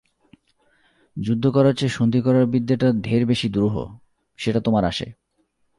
যুদ্ধ করার চেয়ে সন্ধি করার বিদ্যেটা ঢের বেশি দুরূহ– সেটা তোমার আসে।